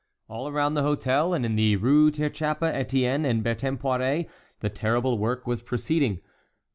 All around the hôtel and in the Rues Tirechappe, Étienne, and Bertin Poirée the terrible work was proceeding.